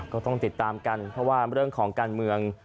ก็ต้องติดตามกันเพราะว่าเรื่องของการเมือง